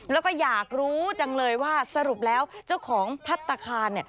แล้วก็อยากรู้จังเลยว่าสรุปแล้วเจ้าของพัฒนาคาร